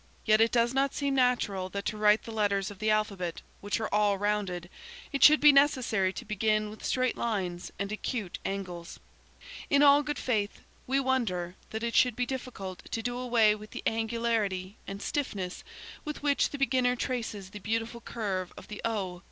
Yet it does not seem natural that to write the letters of the alphabet, which are all rounded, it should be necessary to begin with straight lines and acute angles. In all good faith, we wonder that it should be difficult to do away with the angularity and stiffness with which the beginner traces the beautiful curve of the O.